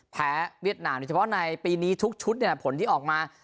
เวียดนามโดยเฉพาะในปีนี้ทุกชุดผลที่ออกมา